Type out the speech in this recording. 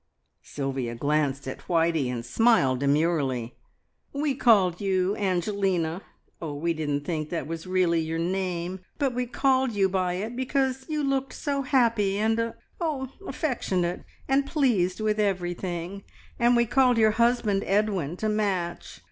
Sylvia glanced at Whitey and smiled demurely. "We called you Angelina. Oh, we didn't think that was really your name, but we called you by it because you looked so happy and er er affectionate, and pleased with everything. And we called your husband Edwin, to match.